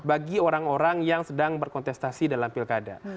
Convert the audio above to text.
bagi orang orang yang sedang berkontestasi dalam pilkada